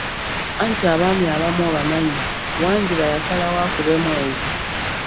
Anti abaami abamu obamanyi, Wanjuba yasalawo akube Mwezi.